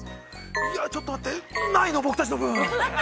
◆いや、ちょっと待って、ないの？、僕たちの分。